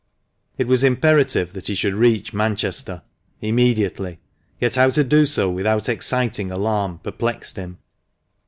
It was imperative that he should reach Manchester immediately, yet how to do so without exciting alarm perplexed him.